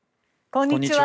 こんにちは。